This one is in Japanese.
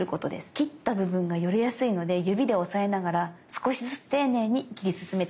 切った部分がよれやすいので指で押さえながら少しずつ丁寧に切り進めて下さい。